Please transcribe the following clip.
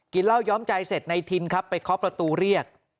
กินเหล้าย้อมใจเสร็จนายทินครับไปคลอบประตูเรียก